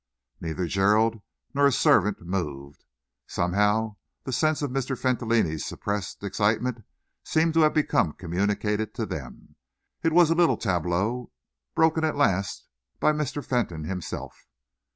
Neither Gerald nor his servant moved. Somehow, the sense of Mr. Fentolin's suppressed excitement seemed to have become communicated to them. It was a little tableau, broken at last by Mr. Fentolin himself.